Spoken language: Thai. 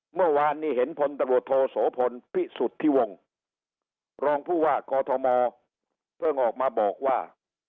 เมื่อวานนี้เห็นพลตำรวจโทโสพลพิสุทธิวงศ์รองผู้ว่ากอทมเพิ่งออกมาบอกว่า